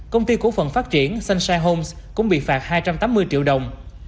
công ty cổ phần phát triển sunshine homes cũng bị phạt hai trăm tám mươi triệu đồng